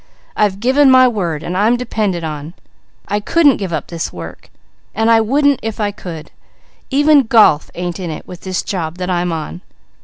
I've given my word, and I'm depended on. I couldn't give up this work, and I wouldn't, if I could. Even golf ain't in it with this job that I'm on."